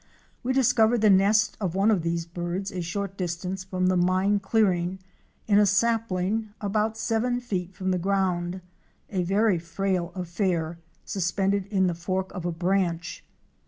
We discovered the nest of one of these birds a short distance from the mine clearing in a sapling about seven feet from the ground, a very frail affair suspended in the fork of a branch.